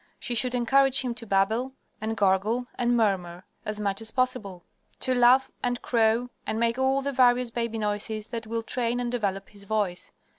She should encourage him to babble and gurgle and murmur, as much as possible, to laugh and crow and make all the various baby noises that will train and develop his voice.